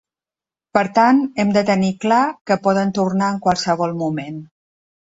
Per tant, hem de tenir clar que poden tornar en qualsevol moment.